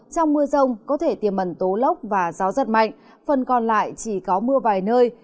trong mưa rông có thể tiềm mẩn tố lốc và gió giật mạnh phần còn lại chỉ có mưa vài nơi